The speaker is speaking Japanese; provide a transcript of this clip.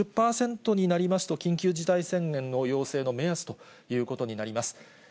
５０％になりますと、緊急事態宣言の要請の目安ということになります。